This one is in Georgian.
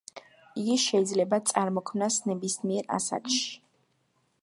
იგი შეიძლება წარმოიქმნას ნებისმიერ ასაკში.